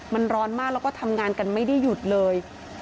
มันร้อนมากแล้วก็ทำงานกันไม่ได้หยุดเลย